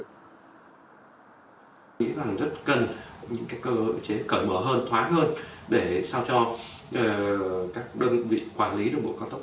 cần những cái cơ chế cởi mở hơn thoáng hơn để sao cho các đơn vị quản lý đường bộ cao tốc